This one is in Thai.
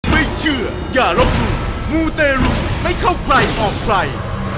ไม่เชื่ออย่าลบหลู่มูเตรุไม่เข้าใครออกใคร